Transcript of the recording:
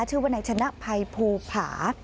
ชื่อว่านายชนะภัยภูผา